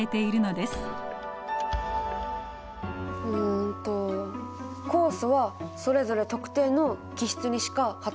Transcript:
うんと酵素はそれぞれ特定の基質にしかはたらかない。